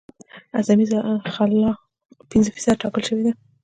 اعظمي خلا پنځه فیصده ټاکل شوې ده